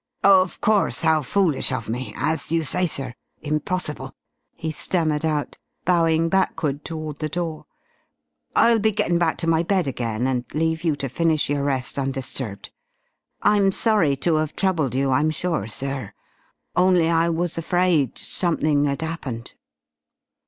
"Of course, how foolish of me. As you say, sir, impossible!" he stammered out, bowing backward toward the door. "I'll be getting back to my bed again, and leave you to finish your rest undisturbed. I'm sorry to 'ave troubled you, I'm sure, sir, only I was afraid something 'ad 'appened."